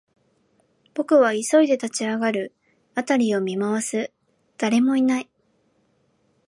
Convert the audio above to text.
僕は急いで立ち上がる、辺りを見回す、誰もいない